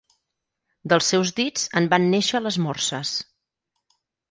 Dels seus dits en van néixer les morses.